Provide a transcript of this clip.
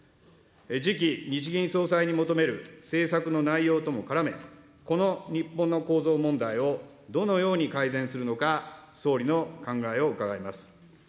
次期日銀総裁に求める政策の内容とも絡め、この日本の構造問題をどのように改善するのか、総理の考えを伺います。